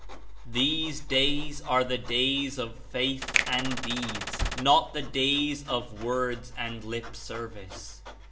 "These days are the days of faith and deeds — not the days of words and lip service.